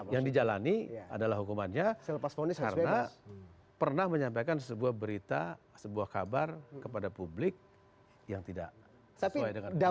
yang dijalani adalah hukumannya selepas ponis karena pernah menyampaikan sebuah berita sebuah kabar kepada publik yang tidak sesuai dengan hukuman